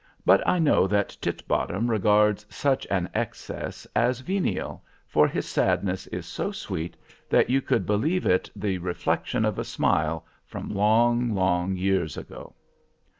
But I know that Titbottom regards such an excess as venial, for his sadness is so sweet that you could believe it the reflection of a smile from long, long years ago.